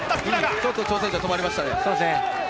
ちょっと挑戦者止まりましたね。